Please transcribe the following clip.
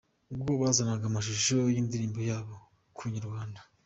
Ubwo bazanaga amashusho y’indirimbo yabo ku inyarwanda.